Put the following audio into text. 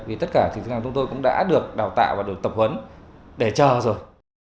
vì tất cả thì chúng tôi cũng đã được đào tạo và được tập huấn để cho rồi